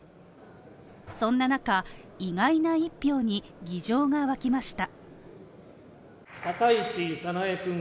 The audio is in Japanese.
そんな中、意外な一票に議場が湧きました。